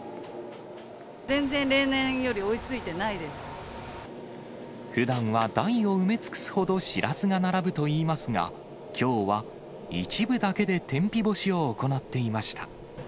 全然例年より追いついてないふだんは台を埋め尽くすほど、しらすが並ぶといいますが、きょうは一部だけで天日干しを行っていました。